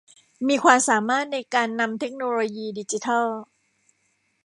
มีความสามารถในการนำเทคโนโลยีดิจิทัล